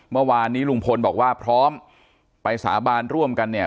เมื่อวานนี้ลุงพลบอกว่าพร้อมไปสาบานร่วมกันเนี่ย